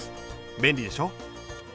便利でしょ。